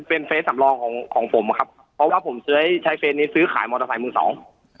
เป็นเฟสสำรองของของผมครับเพราะว่าผมใช้ใช้เฟสนี้ซื้อขายมอเตอร์ไซค์มือสอง